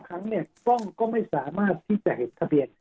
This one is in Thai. เพราะบางครั้งกล้องก็ไม่สามารถที่จะเห็นทะเบียน